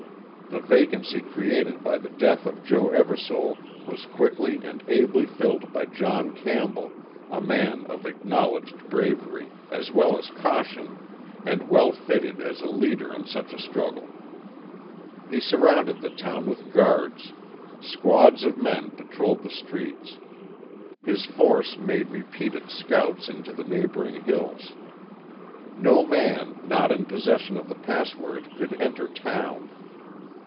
The vacancy created by the death of Joe Eversole was quickly and ably filled by John Campbell, a man of acknowledged bravery, as well as caution, and well fitted as a leader in such a struggle. He surrounded the town with guards; squads of men patrolled the streets; his force made repeated scouts into the neighboring hills. No man not in possession of the password could enter town.